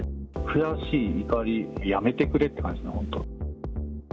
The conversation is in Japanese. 悔しい、怒り、やめてくれって感じです、本当。